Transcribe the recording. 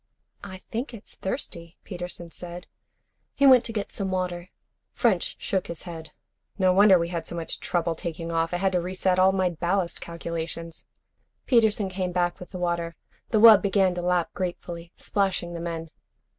"I think it's thirsty," Peterson said. He went to get some water. French shook his head. "No wonder we had so much trouble taking off. I had to reset all my ballast calculations." Peterson came back with the water. The wub began to lap gratefully, splashing the men.